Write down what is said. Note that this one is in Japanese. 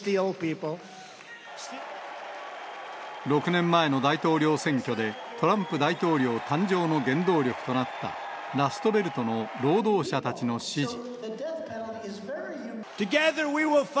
６年前の大統領選挙で、トランプ大統領誕生の原動力となったラストベルトの労働者たちの支持。